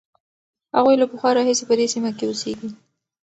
هغوی له پخوا راهیسې په دې سیمه کې اوسېږي.